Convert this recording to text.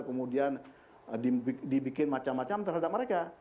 kemudian dibikin macam macam terhadap mereka